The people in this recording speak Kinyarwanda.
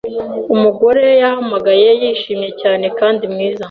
Umugore yahamagaye yishimye cyane kandi mwiza